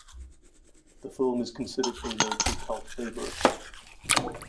The film is considered a "local cult favorite".